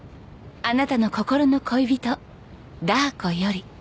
「あなたの心の恋人ダー子より」